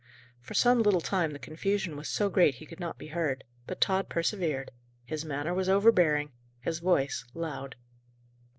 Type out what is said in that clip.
For some little time the confusion was so great he could not be heard, but Tod persevered; his manner was overbearing, his voice loud.